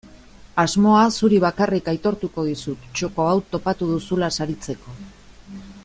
Asmoa zuri bakarrik aitortuko dizut txoko hau topatu duzula saritzeko.